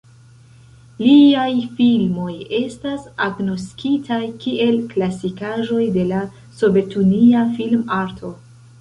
Liaj filmoj estas agnoskitaj kiel klasikaĵoj de la sovetunia film-arto.